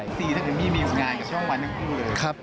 ไอซีกับเอมมี่มีร่วมงานกับช่องวันทั้งคู่เลย